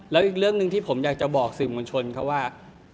แล้วอีกเรื่องหนึ่งที่ผมอยากจะบอกสื่อมวลชนเขาว่า